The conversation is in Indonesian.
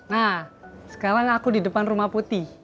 nah sekarang aku di depan rumah putih